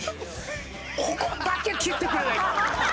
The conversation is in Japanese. ここだけ切ってくれないか？